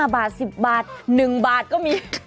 ๕บาท๑๐บาท๑บาทก็มี